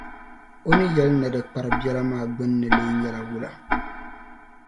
O ni yɛli ni di kpari biɛla maa gbinni lee nyɛla wula?